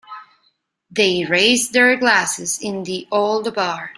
They raised their glasses in the old bar.